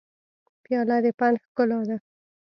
پیاله د فن ښکلا ده.